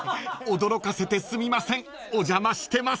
［驚かせてすみませんお邪魔してます］